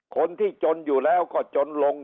คนที่จนอยู่แล้วก็จนลง